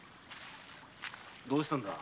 どうしたんだ？